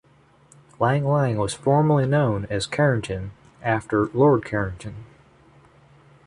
Lang Lang was formerly known as Carrington, after Lord Carrington.